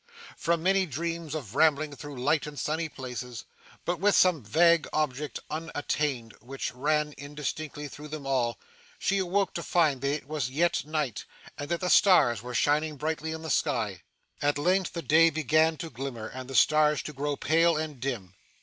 From many dreams of rambling through light and sunny places, but with some vague object unattained which ran indistinctly through them all, she awoke to find that it was yet night, and that the stars were shining brightly in the sky. At length, the day began to glimmer, and the stars to grow pale and dim.